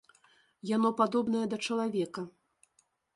Яно падобнае да чалавека.